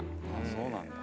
そうなんだ。